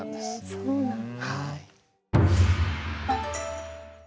そうなんだ。